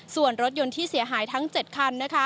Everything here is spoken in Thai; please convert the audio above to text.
ส่วนรถยนต์ที่เสียหายทั้ง๗คันนะคะ